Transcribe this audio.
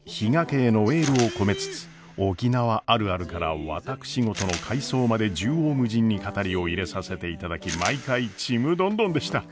家へのエールを込めつつ沖縄あるあるから私事の回想まで縦横無尽に語りを入れさせていただき毎回ちむどんどんでした。